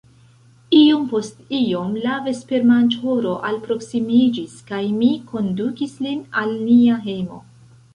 Iom post iom la vespermanĝhoro alproksimiĝis kaj mi kondukis lin al nia hejmo.